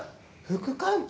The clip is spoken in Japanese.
副館長。